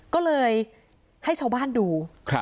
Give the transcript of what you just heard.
ก็เลยให้ชาวบ้านดู